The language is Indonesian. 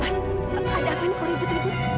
mas ada apa ini kau ribet ribet